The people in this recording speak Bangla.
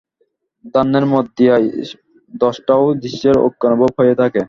ধ্যানের মধ্য দিয়াই দ্রষ্টা ও দৃশ্যের ঐক্যানুভব হইয়া থাকে।